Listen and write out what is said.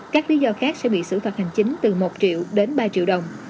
các lý do khác sẽ bị xử phạt hành chính từ một triệu đến ba triệu đồng